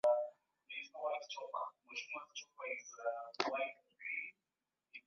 Alihisi watoto walikuwa wanateseka kubaki peke yao